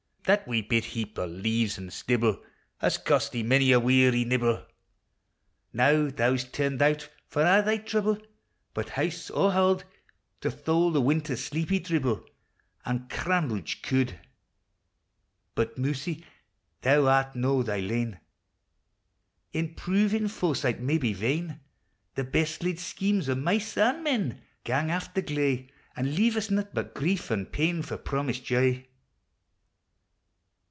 That wee bit heap o' leaves an' stibble Has cost thee mony a weary nibble! Now thou 's turned out, for if thy trouble, But house or hald. To thole the winter's sleety dribble, An' cranreucli * cauld ! But, Mousie. thou ar1 do thy lain 1 . In proving foresighl may be vain: The best laid schemes o' mice an' mm) GanJ* a (*i a gley, An' lea'e us naught bu1 grief and pail?, For promised joy.